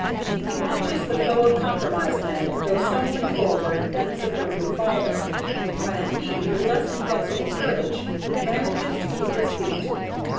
He watches the Foe of Compromise men go stumbling forward and superbly falling, while he, with less inflexible courage, manages to keep his feet.